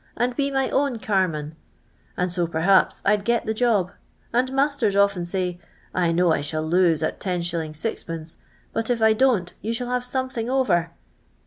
and be my own carman;* and so perhaps I'd get the job, and masters often say :' I know I shall lose at lUdT. 6<^, but if I don't, you shall have somethini* over.'